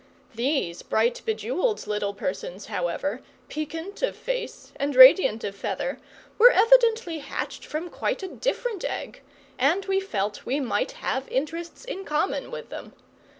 These bright bejewelled little persons, however, piquant of face and radiant of feather, were evidently hatched from quite a different egg, and we felt we might have interests in common with them.